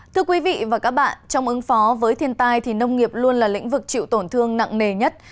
thưa quý vị và các bạn trong ứng phó với thiên tai thì nông nghiệp luôn là lĩnh vực chịu tổn thương nặng nề nhất